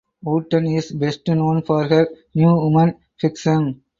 Wotton is best known for her New Woman fiction.